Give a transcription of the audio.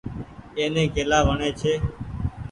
ايني ڪيلآ وڻي ڇي۔